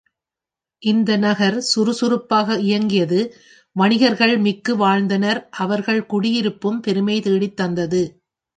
இந்த நகர் சுருசுருப்பாக இயங்கியது வணிகர்கள் மிக்கு வாழ்ந்தனர் அவர்கள் குடியிருப்புப் பெருமை தேடித் தந்தது.